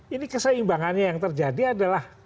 ini keseimbangannya yang terjadi adalah